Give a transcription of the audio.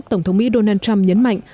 tổng thống mỹ donald trump nhấn mạnh